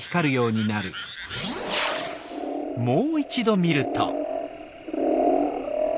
もう一度見ると。